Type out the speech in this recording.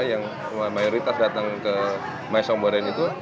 yang mayoritas datang ke maesong boereen itu